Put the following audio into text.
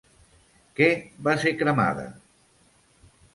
Què va ser cremada?